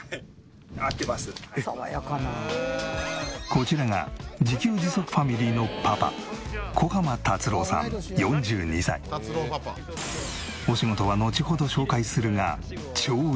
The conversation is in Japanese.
こちらが自給自足ファミリーのパパお仕事はのちほど紹介するが超意外。